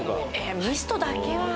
ミストだけは。